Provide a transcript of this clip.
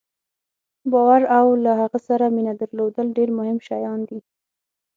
باور او له هغه سره مینه درلودل ډېر مهم شیان دي.